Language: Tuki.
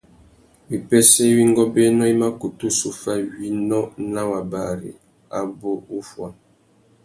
Wipêssê iwí ngôbēnô i mà kutu zu fá winô nà wabari abú wuffuá.